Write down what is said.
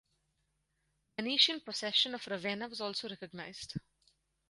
Venetian possession of Ravenna was also recognized.